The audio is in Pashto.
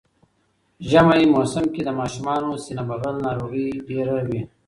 ژمی موسم کی د ماشومانو سینه بغل ناروغی ډیره وی